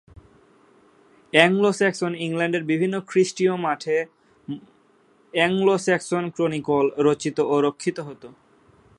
Anglo-Saxon ইংল্যান্ডের বিভিন্ন খ্রিস্টীয় মঠে "অ্যাংলো-স্যাক্সন ক্রনিকল" রচিত ও রক্ষিত হত।